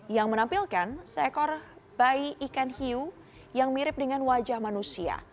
yang menampilkan seekor bayi ikan hiu yang mirip dengan wajah manusia